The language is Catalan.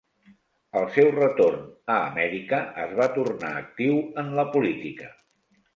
Al seu retorn a Amèrica, es va tornar actiu en la política.